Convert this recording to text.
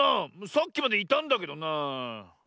さっきまでいたんだけどなあ。